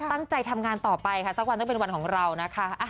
ด้วยกระแสรำนำก็ทำให้เรายังงานตรงนี้เป็นผลคล้อยได้มาด้วยค่ะ